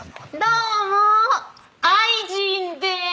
どうも愛人でーす！